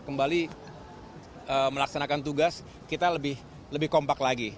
kembali melaksanakan tugas kita lebih kompak lagi